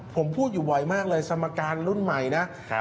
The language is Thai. ผมพูดอยู่บ่อยมากเลยสมการรุ่นใหม่นะ